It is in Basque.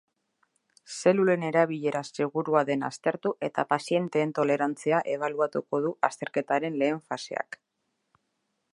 Zelulen erabilera segurua den aztertu eta pazienteen tolerantzia ebaluatuko du azterketaren lehen faseak.